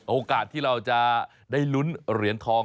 โอกาสที่เราจะได้ลุ้นเหรียญทอง